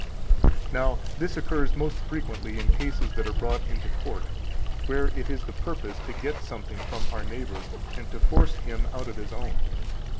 301 Now, this occurs most frequently in cases that are brought into court, where it is the purpose to get something from our neighbor and to force him out of his own.